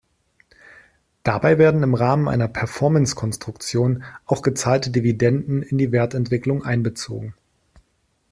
Dabei werden im Rahmen einer Performance-Konstruktion auch gezahlte Dividenden in die Wertentwicklung einbezogen.